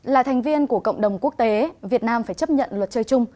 là thành viên của cộng đồng quốc tế việt nam phải chấp nhận luật chơi chung